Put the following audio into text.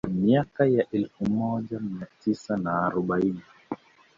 Miaka ya elfu moja mia tisa na arobaini